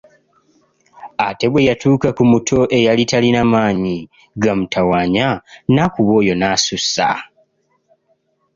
Ate bwe yatuuka ku muto eyali talina maanyi gamutawaanya n’akuba oyo n’asussa.